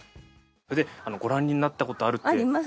それでご覧になったことあるって。